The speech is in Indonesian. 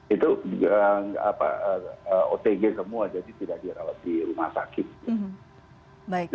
itu otg semua jadi tidak dihalangi rumah sakit